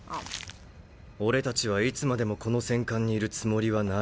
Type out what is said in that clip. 俺たちはいつまでもこの戦艦にいるつもりはない。